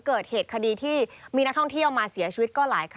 เกิดเหตุคดีที่มีนักท่องเที่ยวมาเสียชีวิตก็หลายคดี